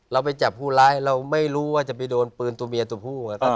เราไปจับผู้ร้ายเราไม่รู้ว่าจะไปโดนปืนตัวเมียตัวผู้